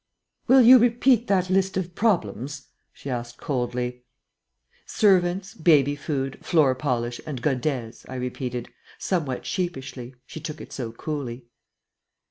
"Will you repeat that list of problems?" she asked, coldly. "Servants, baby food, floor polish, and godets," I repeated, somewhat sheepishly, she took it so coolly.